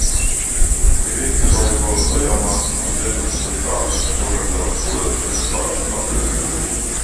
Kui Eesti soovib olla Põhjamaa, on sellised solidaarsust suurendavad muudatused paratamatud.